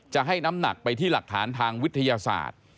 จะให้น้ำหนักไปที่หลักฐานทางวิทยาศาสตร์